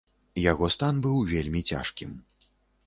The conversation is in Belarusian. Яго стан быў вельмі цяжкім.